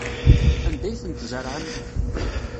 Anda ay ten-tzerɛem?